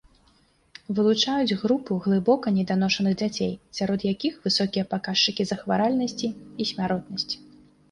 Вылучаюць групу глыбока неданошаных дзяцей, сярод якіх высокія паказчыкі захваральнасці і смяротнасці.